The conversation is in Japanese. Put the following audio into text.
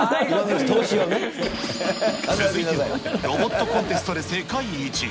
続いては、ロボットコンテストで世界一。